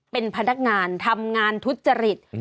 เป็นพนักงานทำงานทุษฎฤทธิ์